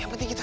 gak biati ya